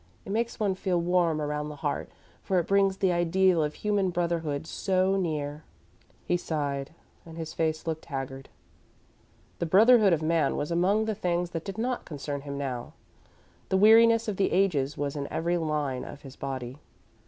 It makes one feel warm around the heart, for it brings the ideal of human brotherhood so near." He sighed and his face looked haggard. The brotherhood of man was among the things that did not concern him now. The weariness of the ages was in every line of his body.